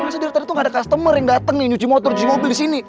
tadi tuh gak ada customer yang dateng nih nyuci motor nyuci mobil disini